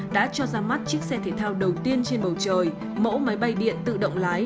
đã cho ra mắt chiếc xe thể thao đầu tiên trên bầu trời mẫu máy bay điện tự động lái